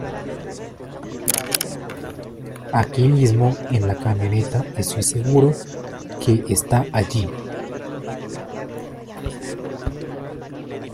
Aquí mismo en la camioneta. Estoy seguro que está allí .